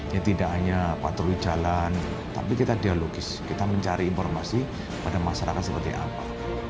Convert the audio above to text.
ya tidak hanya patroli jalan tapi kita dialogis kita mencari informasi pada masyarakat seperti apa